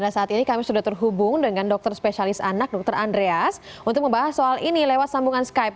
saat ini kami sudah terhubung dengan dokter spesialis anak dokter andreas untuk membahas soal ini lewat sambungan skype